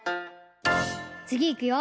つぎいくよ。